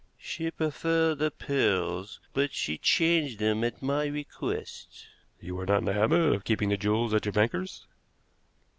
"She preferred the pearls, but she changed them at my request." "You were not in the habit of keeping the jewels at your banker's?"